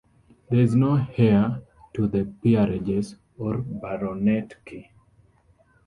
There is no heir to the peerages or the baronetcy.